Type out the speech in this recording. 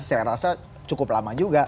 saya rasa cukup lama juga